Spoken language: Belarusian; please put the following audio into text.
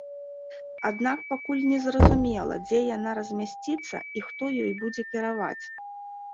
Аднак пакуль не зразумела, дзе яна размясціцца і хто ёй будзе кіраваць.